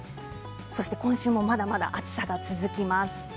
そして今週もまだまだ、暑さが続きます。